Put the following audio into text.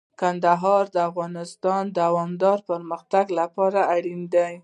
کندهار د افغانستان د دوامداره پرمختګ لپاره اړین دی.